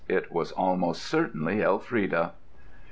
It was almost certainly Elfrida.